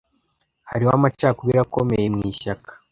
Hariho amacakubiri akomeye mu ishyaka.